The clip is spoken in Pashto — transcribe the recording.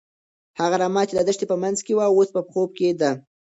هغه رمه چې د دښتې په منځ کې وه، اوس په خوب کې ده.